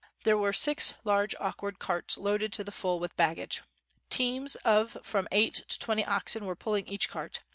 There were six large awkward carts loaded to the full with baggage. Teams of from eight to twenty oxen were pulling each cart.